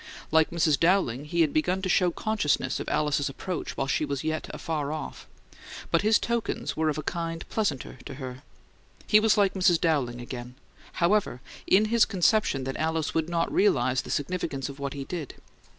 Like Mrs. Dowling, he had begun to show consciousness of Alice's approach while she was yet afar off; but his tokens were of a kind pleasanter to her. He was like Mrs. Dowling again, however, in his conception that Alice would not realize the significance of what he did.